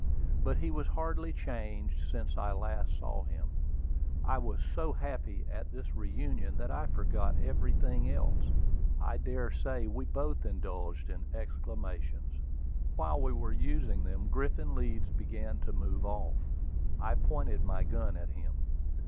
But he was hardly changed since I last saw him. I was so happy at this reunion that I forgot everything else. I dare say we both indulged in exclamations. While we were using them, Griffin Leeds began to move off. I pointed my gun at him.